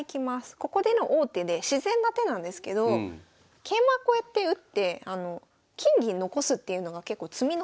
ここでの王手で自然な手なんですけど桂馬こうやって打って金銀残すっていうのが結構詰みのセオリーです。